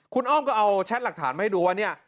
คุณอ้อมก็เอาแชทหลักฐานมาให้ดูว่าเนี่ย